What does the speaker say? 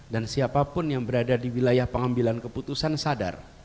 dan siapapun yang berada di wilayah pengambilan keputusan sadar